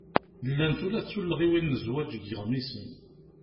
Llant ula d tullɣiwin n zzwaǧ deg iɣmisen.